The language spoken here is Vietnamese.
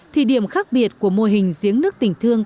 thì điểm khác biệt của mô hình giếng nước tỉnh thương